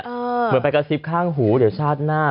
เหมือนไปกระซิบข้างหูเดี๋ยวชาติหน้า